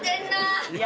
いや